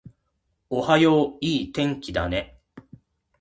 おはよう、いい天気だね